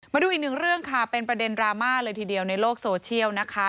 มาดูอีกหนึ่งเรื่องค่ะเป็นประเด็นดราม่าเลยทีเดียวในโลกโซเชียลนะคะ